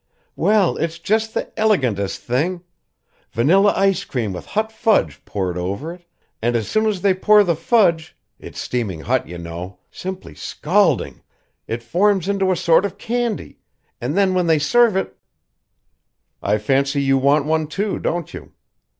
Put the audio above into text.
"Well, it's just the elegantest thing vanilla ice cream with hot fudge poured over it, and as soon as they pour the fudge it's steaming hot, you know simply scalding it forms into a sort of candy, and then when they serve it " "I fancy you want one, too, don't you?"